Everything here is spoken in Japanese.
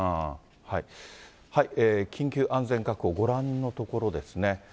緊急安全確保、ご覧の所ですね。